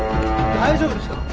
大丈夫ですか？